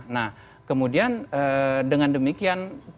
nah kemudian dengan demikian